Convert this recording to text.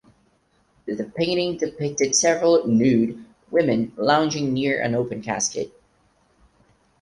The painting depicted several nude women lounging near an open casket.